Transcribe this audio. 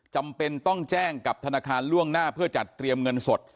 จำเป็นต้องแจ้งกับธนาคารล่วงหน้าเพื่อจัดเตรียมเงินสด